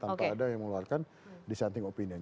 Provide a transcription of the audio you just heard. tanpa ada yang mengeluarkan dissenting opinion